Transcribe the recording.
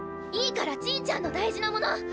いいからちぃちゃんの大事なもの